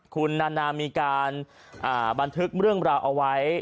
คุณนานามีการบันทึกเรื่องราวเอาไว้